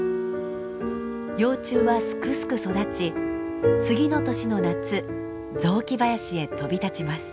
幼虫はすくすく育ち次の年の夏雑木林へ飛び立ちます。